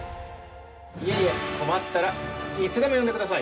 いえいえ困ったらいつでも呼んでください！